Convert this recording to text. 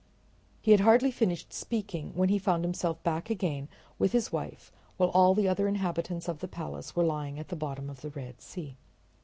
He had hardly finished speaking when he found himself back again with his wife, while all the other inhabitants of the palace were lying at the bottom of the Red Sea.